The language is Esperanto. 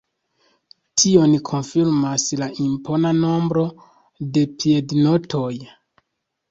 Tion konfirmas la impona nombro de piednotoj.